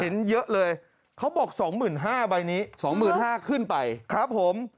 เห็นเยอะเลยเขาบอกสองหมื่นห้าใบนี้สองหมื่นห้าขึ้นไปครับผม